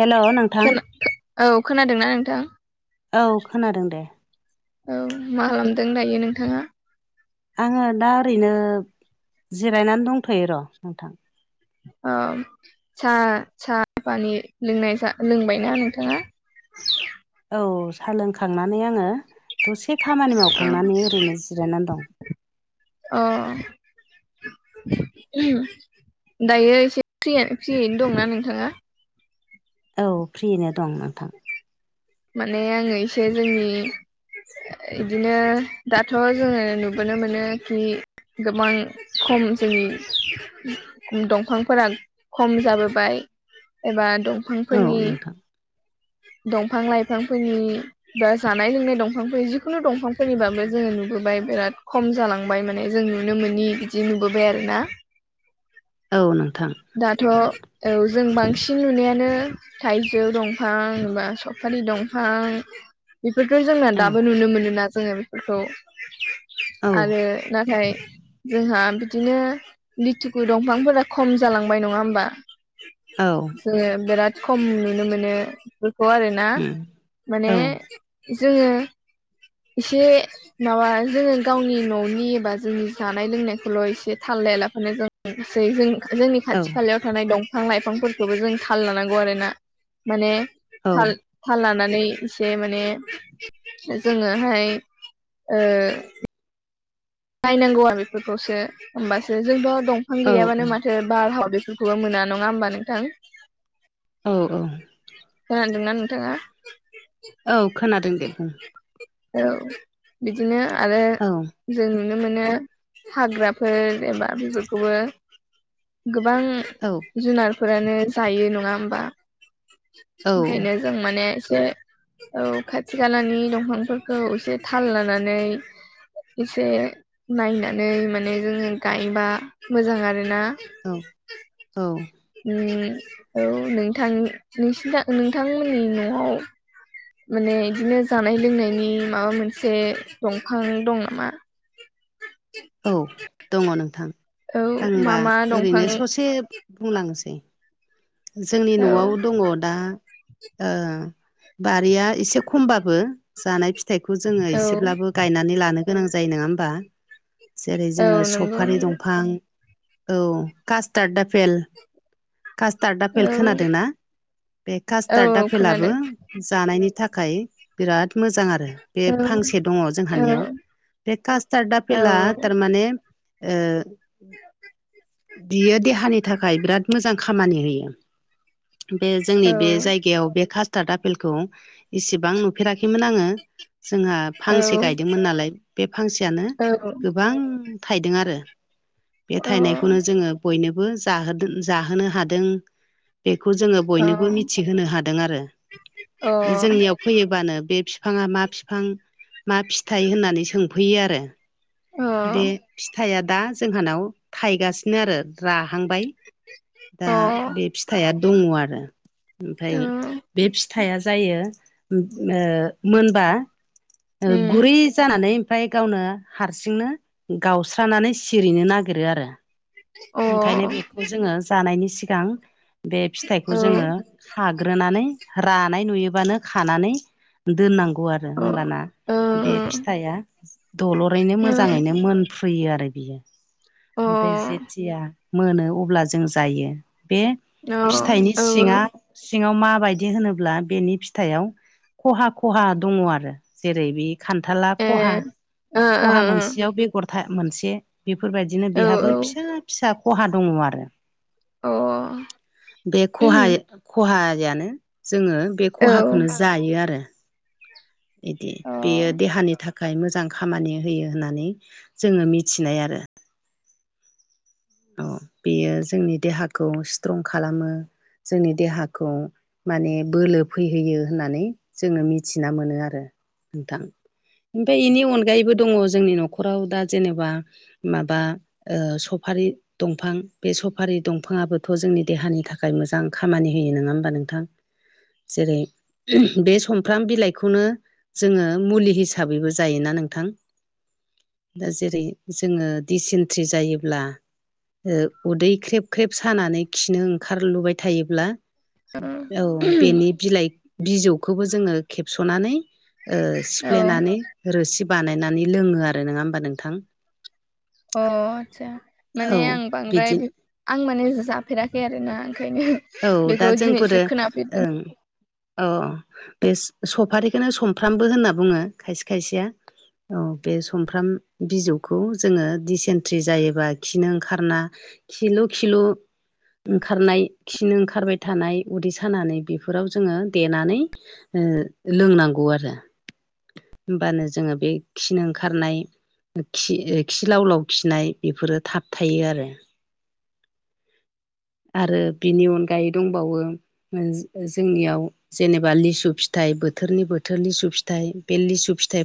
हेल' नोंथां औ खोनादोंना नोंथां औ खोनादों दे औ मा खालामदों दायो नोंथाङा आङो दा ओरैनो जिरायनानै दंथ'यो र' नोंथां औ सा सा पानि लोंनाय लोंबायना नोंथाङा औ साहा लोंखांनानै आङो दसे खामानि मावखांनानै ओरैनो जिरायनानै दं अ उम‌ दायो एसे प्रि प्रियैनो दङना नोंथाङा औ फ्रिनो दं नोंथां माने आङो एसे जोंनि इदिनो दाथ' जोङो नुबोनो मोनो खि गोबां खम जोंनि दंफांफोरा खम जाबोबाय एबा औ दंफांफोरनि नोंथां दंफां लाइफांफोरनि बा जानाय लोंनाय दंफांफोर जिखुनु दंफांफोरनिबाबो जोङो नुबोबाय बिराद खम जालाङो संबाय माने जों नुनो मोनोनि बिदि नुबोबाय आरो ना औ नोंथां दाथ' औ जों बांसिन नुनायानो थाइजौ दंफां बा सफारि दंफां बेफोरखौ जोंना औ दाबो नुनो मोनोना जोङो बेफोरखौ औ आरो नाथाय जोंहा बिदिनो लिथुखु दंफांफोरा खम जालांबाय नङा होमबा औ जोङो बेराद खम नुनो मोनो बेफोरखौ आरोना उम माने औ जोङो ए माबा जोङो गावनि न'नि एा जोंनि जानाय लोंनायखौल' एसे थाल लायालाफोरानो जों सै जों जोंनि औ खाथि खालायाव थानाय दंफां लाइफांफोरखौबो जों थाल लानांगौ आरो ना माने औ थाल थाल लानानै एसे माने जोङोहाय बायनांगौआ बेफोरखौसो होमबासो जोंथ' दंफां औ गैयाबानो मानो एसे बारहाव बेफोरखौबो मोना नङा होमबा नोंथां औ औ खोनादोंना नोंथाङा औ खोनादों दे बुं ओ बिदिनो आरो औ जों नुनो मोनो हाग्राफोर एबा बेफोरखौबो गोबां औ जुनारफोरानो जायो नङा होमबा औ ओंखायनो जों माने एसे औ खाथि खालानि दंफांफोरखौ एसे थाल लानानै एसे नायनानै माने जोङो गायबा मोजां आरोना औ औ औ नोंथां नोंसि नोंथांमोननि न'आव माने बिदिनो जानाय लोंनायनि माबा मोनसे दंफां दं नामा औ दङ नोंथां औ मा आंबा मा दंफां ओरैनो ससे बुंलांनोसै जोंनि औ न'आव दङ दा बारिया एसे खमबाबो जानाय फिथाइखौ जोङो औ एसेब्लाबो गायनानै लानो गोनां जायो नङा होमबा जेरै औ जोङो नंगौ सफारि नंगौ दंफां औ कास्टार्ड आफेल कास्टार्ड औ आफेल खोनादों ना? बे औ कास्टार्ड आफेलाबो खोनादों जानायनि थाखाय बिराद मोजां आरो बे औ फांसे दङ जोंहानियाव बे कास्टार्ड औ आफेला थारमाने ओ बियो देहानि थाखाय बिराद मोजां खामानि होयो बे अ जोंनि बे जायगायाव बे का स्टार्ड आफेलखौ इसेबां नुफेराखैमोन आङो जोंहा फांसे गायदोंमोन नालाय बे फांसेयानो औ गोबां थाइदों आरो बे थाइनायखौनो जोङो बयनोबो जाहोदों जाहोनो हादों बेखौ जोङो बयनोबो मिथिहोनो हादों आरो बे जोंनियाव फैयो बानो बे बिफाङा मा बिफां मा फिथाइ होननानै सोंफैयो आरो बे फिथाइआ दा जोंहानाव थायगासिनो आरो राहांबाय दा बे फिथाइआ दङ आरो ओमफ्राय बे फि थाइया जायो ओ मोनबा गुरै जानानै ओमफ्राय गावनो हारसिंनो गावस्रानानै सिरिनो नागिरो आरो ओंखायनो बेखौ जोङो जानायनि सिगां बे फिथाइखौ जोङो खाग्रोनानै रानाय नुयोबानो खानानै दोननांगौ आरो होनबाना बे फिथा दलरैनो मोजां ङैनो मोनफ्रुयो आरो बियो ओमफ्राय जेथिया मोनो अब्ला जों जायो बे फिथाइनि सिङा सिङाव माबायदि होनोब्ला बेनि फिथाइयाव खहा खहा दङ आरो जेरै बे खान्थाला खहा खहा मोनसेयाव बेगर था मोनसे बेफोरबायदिनो बेहाबो फिसा फिसा खहा दङ आरो। बे खहा खहायानो जोङो बे खहाखौनो जायो आरो। इदि बेयो देहानि थाखाय मोजां खामानि होयो होननानै जोङो मिथिनाय आरो अ बेयो जोंनि देहाखौ स्ट्रं खालामो जोंनि देहाखौ माने बोलो फैहोयो होननानै जोङो मिथिना मोनो आरो नोंथां ओमफ्राय बेनि अनगायैबो दङ जोंनि न'खराव दा जेनेबा माबा ओ सफारि दंफां बे सफारि दंफाङाबोथ' जोंनि देहानि थाखाय मोजां खामानि होयो नङा होमबा नोंथां? जेरै बे समफ्राम बिलाइखौनो जोङो मुलि हिसाबैबो जायोना नोंथां? दा जेरै जोङो दिसेन्ट्रि जायोब्ला उदै ख्रेब ख्रेब सानानै खिनो ओंखारलुबाय थायोब्ला औ बेनि बिलाइ बिजौखौबो जोङो खेबस'नानै सिफ्लेनानै रोसि बानायनानै लोङो आरो नङा होमबा नोंथां? अ आतसा औ माने आं बांद्राय बिदि आं माने जाफेराखै आरोना ओंखायनो। औ दा बेखौ दिनैसो जोंफोरो खोनाफेरदों ओ औ बे सफारिखौनो सफ्रामबो होनना बुङो खायसे खायसेया औ बे सफ्राम बिजौखौ जोङो दिसेन्ट्रि जायोबा खिनो ओंखारना खिलु खिलु ओंखारनाय खिनो ओंखारबाय थानाय उदै सानानै बेफोराव जोङो देनानै लोंनांगौ आरो होमबानो जोङो बे खिनो ओंखारनाय खि खिलाव लाव खिनाय बेफोरो थाब थायो आरो। आरो बिनि अनगायै दंबावो जोंनियाव जेनेबा लिसु फिथाइ बोथोरनि बोथोर लिसु फिथाइ बे लिसु फिथाइ